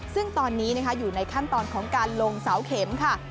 ซึ่งตอนนี้อยู่ในขั้นตอนของการลงเสาเข็มค่ะ